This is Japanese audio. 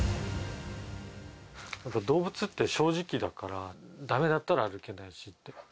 動物って正直だから、だめだったら歩けないし。